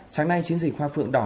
sáng nay chính dịch hoa phượng đỏ